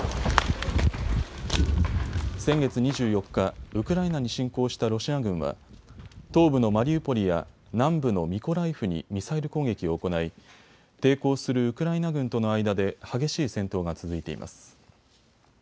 先月２４日、ウクライナに侵攻したロシア軍は東部のマリウポリや南部のミコライフにミサイル攻撃を行い、抵抗するウクライナ軍との間で激しい戦闘が続いています。